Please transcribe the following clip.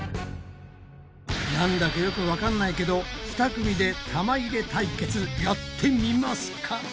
なんだかよくわかんないけど２組で玉入れ対決やってみますか？